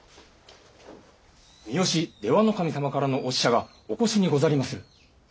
三好出羽守様からのお使者がお越しにござりまする。